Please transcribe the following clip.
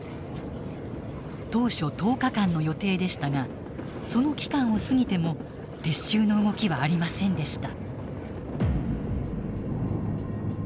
当初１０日間の予定でしたがその期間を過ぎても撤収の動きはありませんでした。